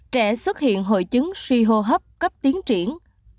trẻ xuất hiện hội chứng suy hô hấp cấp tiến triển